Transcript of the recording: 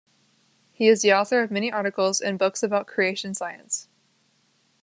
He is the author of many articles and books about creation science.